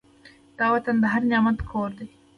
دا وطن د هر نعمت کور دی.